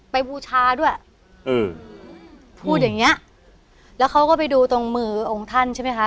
บูชาด้วยอืมพูดอย่างเงี้ยแล้วเขาก็ไปดูตรงมือองค์ท่านใช่ไหมคะ